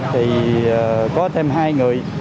thì có thêm hai người